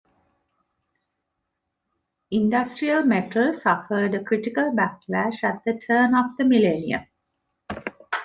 Industrial metal suffered a critical backlash at the turn of the millennium.